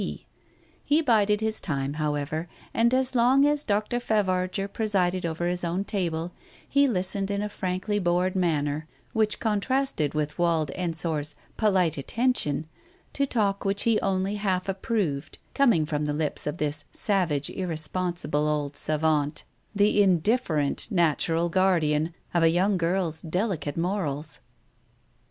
B. He bided his time, however, and as long as Dr. Favarger presided over his own table, he listened in a frankly bored manner which contrasted with Wald Ensor's polite attention to talk which he only half approved, coming from the lips of this savage irrespon sible old savant, the indifferent natural guardian of a young girl's delicate morals.